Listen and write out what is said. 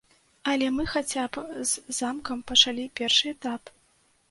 Але мы хаця б з замкам пачалі першы этап.